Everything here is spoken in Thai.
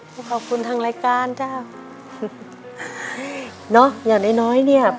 ก็ขอบคุณทางรายการจ้าเนอะอย่างน้อยน้อยเนี่ย